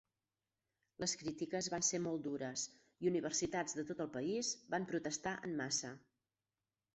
Les crítiques van ser molt dures i universitats de tot el país van protestar en massa.